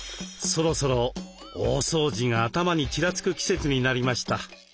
そろそろ「大掃除」が頭にちらつく季節になりました。